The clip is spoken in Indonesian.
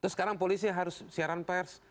sekarang polisi harus siaran pers